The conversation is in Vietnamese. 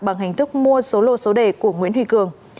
bằng hình thức mua số lô số đề của nguyễn huy cường